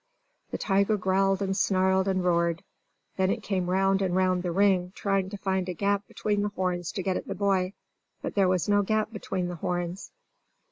The tiger growled and snarled and roared. Then it came round and round the ring, trying to find a gap between the horns to get at the boy. But there was no gap between the horns.